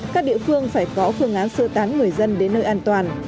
các địa phương phải có phương án sơ tán người dân đến nơi an toàn